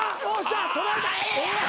あええやん！